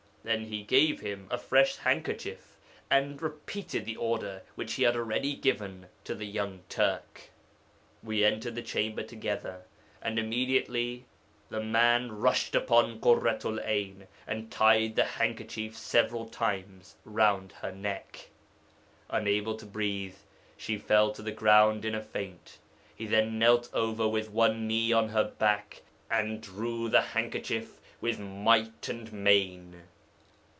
Then he gave him a fresh handkerchief, and repeated the order which he had already given to the young Turk. 'We entered the chamber together, and immediately the man rushed upon Ḳurratu'l 'Ayn, and tied the handkerchief several times round her neck. Unable to breathe, she fell to the ground in a faint; he then knelt with one knee on her back, and drew the handkerchief with might and main.